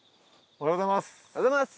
おはようございます。